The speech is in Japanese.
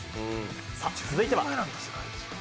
さぁ、続いては。